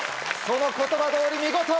その言葉通り見事！